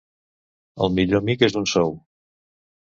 El millor amic és un sou.